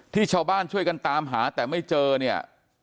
ที่ชาวบ้านช่วยกันตามหาแต่ไม่เจอเนี่ย